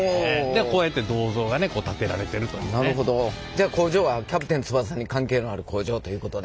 じゃあ工場は「キャプテン翼」に関係のある工場ということで。